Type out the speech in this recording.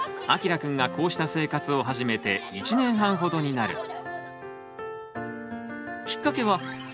あきらくんがこうした生活を始めて１年半ほどになる。